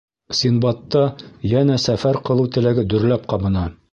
Синдбадта йәнә сәфәр ҡылыу теләге дөрләп ҡабына.